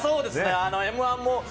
「Ｍ‐１」も。